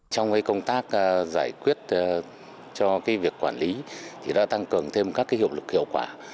trong công tác giải quyết cho việc quản lý thì đã tăng cường thêm các hiệu lực hiệu quả